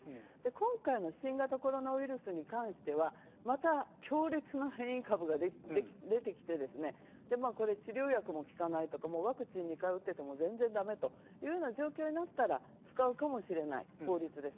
今回の新型コロナウイルスに関しては、また強烈な変異株が出て来て、治療薬も効かないとか、ワクチンに頼っていても効かないとかそういう状況になったら使うかもしれない法律です。